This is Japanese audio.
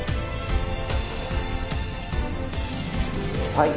はい。